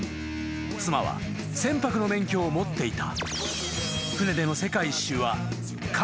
［妻は船舶の免許を持っていた］